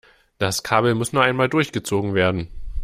Das Kabel muss nur einmal durchgezogen werden.